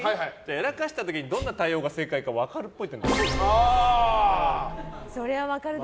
やらかした時にどんな対応が正解か分かるっぽい。